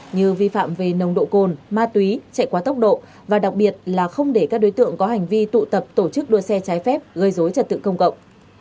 như vi phạm về nồng độ cồn ma túy chạy quá tốc độ và đặc biệt là không để các đối tượng có hành vi tụ tập tổ chức đua xe trái phép gây dối trật tự công cộng